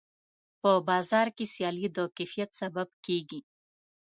په بازار کې سیالي د کیفیت سبب کېږي.